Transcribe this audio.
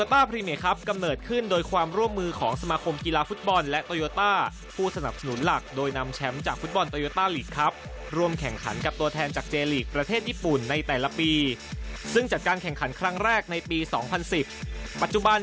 ติดตามได้จากรายงานครับ